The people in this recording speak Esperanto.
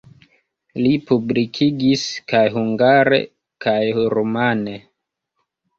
Li publikigis kaj hungare kaj rumane.